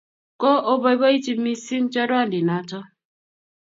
ko oboibochi mising chorwandinoto